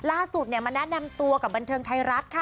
ล่าสุดมาแนะนำตัวกับบันเทิงไทยรัฐค่ะ